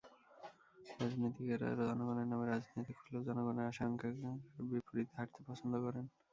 রাজনীতিকেরা জনগণের নামে রাজনীতি করলেও জনগণের আশা-আকাঙ্ক্ষার বিপরীতে হাঁটতে পছন্দ করেন।